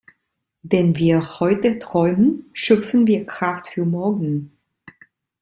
Denn wenn wir heute träumen, schöpfen wir Kraft für morgen.